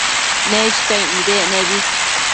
Neshcaic nidec nebi